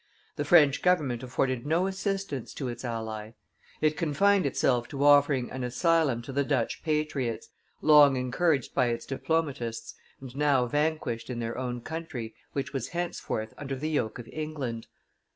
the French government afforded no assistance to its ally; it confined itself to offering an asylum to the Dutch patriots, long encouraged by its diplomatists, and now vanquished in their own country, which was henceforth under the yoke of England.